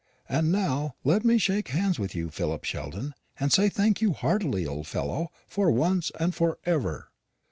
And now let me shake hands with you, Philip Sheldon, and say thank you heartily, old fellow, for once and for ever."